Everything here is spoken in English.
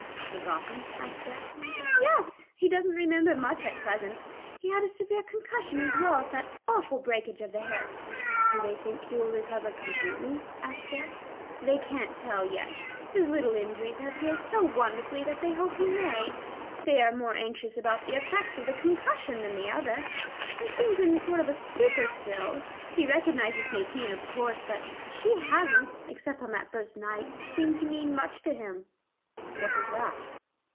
"Forgotten?" asked Jack. "Yes; he doesn't remember much at present. He had severe concussion as well as that awful breakage of the hip." "Do they think he will recover completely?" asked Jack. "They can't tell yet. His little injuries have healed so wonderfully that they hope he may. They are more anxious about the effects of the concussion than the other. He seems in a sort of stupor still; he recognizes Nadine of course, but she hasn't, except on that first night, seemed to mean much to him." "What was that?"